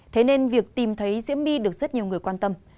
thế nên việc tìm thấy diễm my được rất nhiều người quan tâm